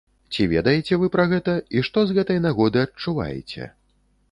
Ці ведаеце вы пра гэта і што з гэтай нагоды адчуваеце?